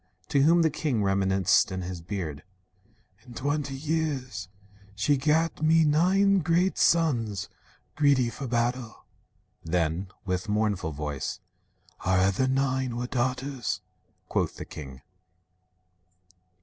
To whom the king, rem'niscent in his beard: "In twenty years she gat me nine great sons, Greedy for battle." Then, with mournful voice, "Our other nine were daughters," quoth the king.